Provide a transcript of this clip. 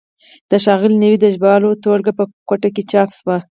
د ښاغلي نوید د ژباړو ټولګه په کوټه کې چاپ شوه.